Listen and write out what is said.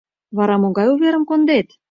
Вара могай уверым кондет?